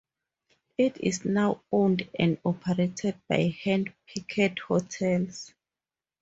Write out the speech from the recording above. It is now owned and operated by Hand Picked Hotels.